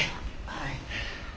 はい。